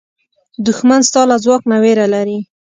دښمن ستا له ځواک نه وېره لري